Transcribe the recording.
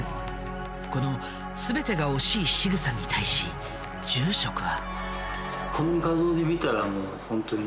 この全てが惜しいしぐさに対し住職は。